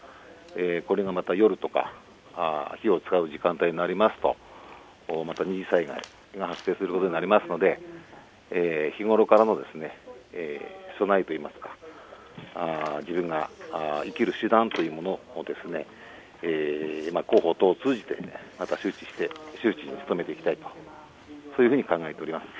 これがまた夜とか火を使う時間帯になりますとまた二次災害が発生することになりますので日頃からの備えといいますか、自分が生きる手段というものを広報と通じてまた周知に努めていきたいとそういうふうに考えています。